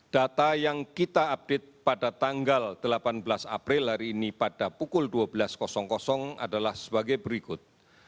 data yang kita update pada tanggal delapan belas april hari ini pada pukul dua belas adalah sebagai berikut